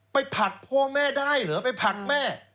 ผลักพ่อแม่ได้เหรอไปผลักแม่